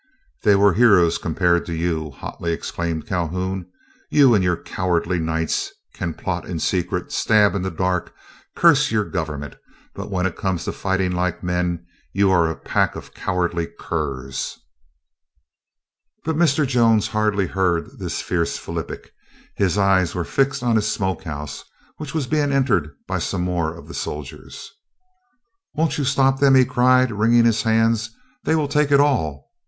"They were heroes, compared to you!" hotly exclaimed Calhoun. "You and your cowardly Knights can plot in secret, stab in the dark, curse your government, but when it comes to fighting like men you are a pack of cowardly curs." But Mr. Jones hardly heard this fierce Phillipic; his eyes were fixed on his smoke house, which was being entered by some more of the soldiers. "Won't you stop them," he cried, wringing his hands; "they will take it all!